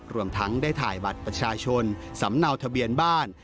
รวมทั้งได้ถ่ายบัตรประชาชนสำเนาทะเบียนบ้าน